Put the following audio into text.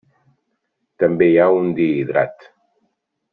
També hi ha un dihidrat.